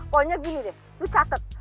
pokoknya gini deh lu catet